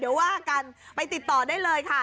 เดี๋ยวว่ากันไปติดต่อได้เลยค่ะ